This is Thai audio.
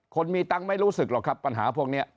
คนมีตังค์ไม่รู้สึกหรอกครับปัญหาพวกนี้